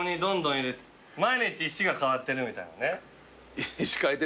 毎日石が変わってるみたいなね。